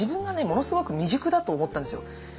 ものすごく未熟だと思ったんですよ。